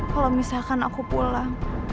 kalau misalkan aku pulang